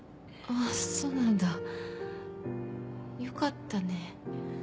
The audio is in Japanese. あっそうなんだ良かったね。